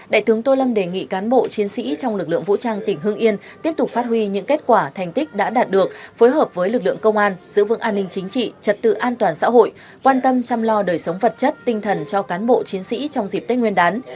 đại tướng tô lâm đề nghị cán bộ chiến sĩ trong lực lượng vũ trang tỉnh hương yên tiếp tục phát huy những kết quả thành tích đã đạt được phối hợp với lực lượng công an giữ vững an ninh chính trị trật tự an toàn xã hội quan tâm chăm lo đời sống vật chất tinh thần cho cán bộ chiến sĩ trong dịp tết nguyên đán